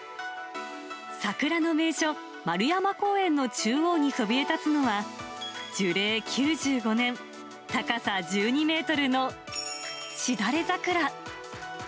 桜の名所、円山公園の中央にそびえたつのは、樹齢９５年、高さ１２メートルのしだれ桜。